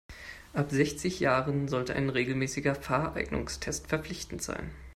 Ab sechzig Jahren sollte ein regelmäßiger Fahreignungstest verpflichtend sein.